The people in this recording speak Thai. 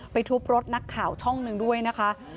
ทุบรถนักข่าวช่องหนึ่งด้วยนะคะ